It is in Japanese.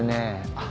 あっ